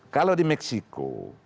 kalau di meksiko